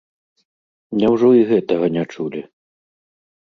Няўжо і гэтага не чулі?